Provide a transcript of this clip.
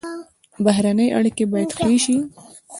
بهرنۍ اړیکې باید ښې شي